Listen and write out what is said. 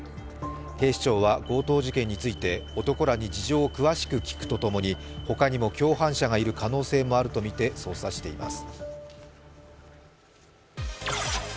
警視庁は強盗事件について男らに事情を詳しく聴くとともに他にも共犯者がいる可能性があるとみて捜査しています。